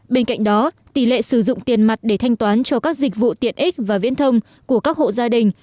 bên cạnh đó tỷ lệ sử dụng tiền mặt để thanh toán cho các dịch vụ tiện ích và viễn thông của các hộ gia đình